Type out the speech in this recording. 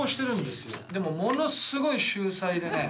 「でもものすごい秀才でね」